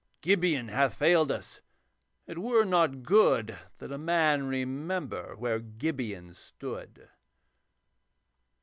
Gibeon hath failed us: it were not good That a man remember where Gibeon stood.'